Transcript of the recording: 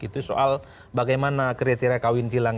itu soal bagaimana kriteria kawin tilang